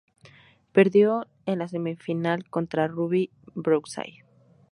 Perdió en la semifinal contra Robbie Brookside.